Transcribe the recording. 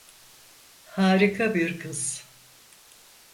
Harika bir kız.